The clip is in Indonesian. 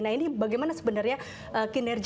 nah ini bagaimana sebenarnya kinerja